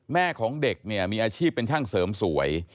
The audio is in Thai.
แม่ของเด็กเนี่ยมีอาชีพเป็นช่างเสริมสวย